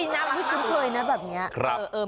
น่ารักมาก